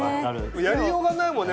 やりようがないもんね